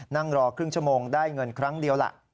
นั่งรอครึ่งชั่วโมงได้เงินครั้งเดียวล่ะ